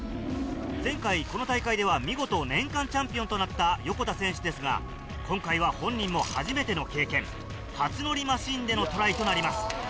前回この大会では見事年間チャンピオンとなった横田選手ですが今回は本人も初めての経験初乗りマシンでのトライとなります。